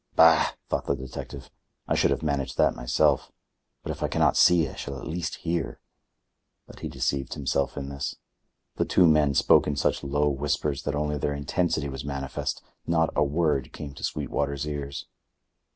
"Bah!" thought the detective, "I should have managed that myself. But if I can not see I shall at least hear." But he deceived himself in this. The two men spoke in such low whispers that only their intensity was manifest. Not a word came to Sweetwater's ears.